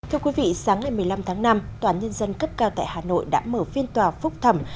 thưa quý vị sáng ngày một mươi năm tháng năm tòa án nhân dân cấp cao tại hà nội đã mở phiên tòa phúc thẩm